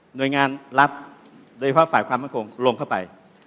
หน่วยงานรัฐโดยภาคฝ่าความมันคงลงเข้าไป